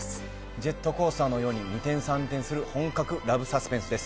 ジェットコースターのように二転三転する本格ラブサスペンスです